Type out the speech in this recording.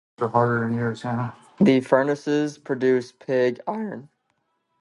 The furnaces produced pig iron.